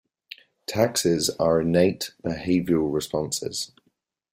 Taxes are innate behavioural responses.